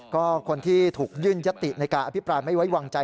ก็คนที่ถูกยื่นยติในการอภิปรายไม่ไว้วางใจ